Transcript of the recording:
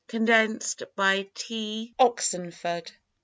I. (condensed by T. Oxenford).